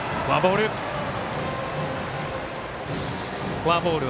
フォアボール。